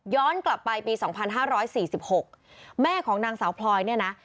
กลับไปปี๒๕๔๖แม่ของนางสาวพลอยเนี่ยนะ